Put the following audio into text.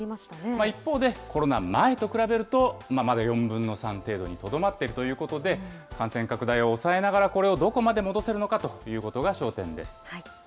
一方で、コロナ前と比べるとまだ４分の３程度にとどまっているということで、感染拡大を抑えながら、これをどこまで戻せるのかということが焦点です。